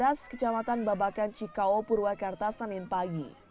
di kadas kecamatan babakan cikao purwakarta senin pagi